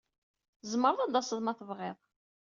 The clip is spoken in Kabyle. Tzemreḍ ad d-taseḍ ma tebɣiḍ.